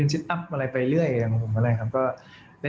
ก็เอาความกลางกาย